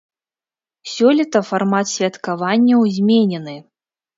Сёлета фармат святкаванняў зменены.